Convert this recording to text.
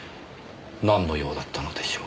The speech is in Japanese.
なんの用だったのでしょう。